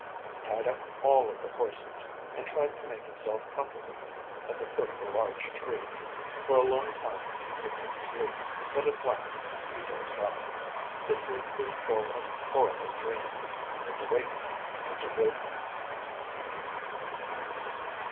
He tied up all of the horses and tried to make himself comfortable at the foot of a large tree. For a long time he could not sleep, but at last he dozed off. His sleep was full of horrible dreams, and his awakening was a rude one.